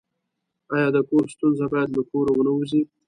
آیا د کور ستونزه باید له کوره ونه وځي؟